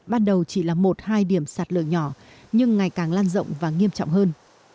ban đầu chỉ là một hai điểm sạt lượng nhỏ nhưng ngày càng lan rộng và nghiêm trọng hơn